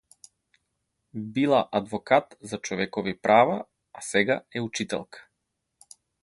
Била адвокат за човекови права, а сега е учителка.